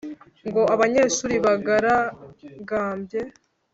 ngo abanyeshuli bigaragambye.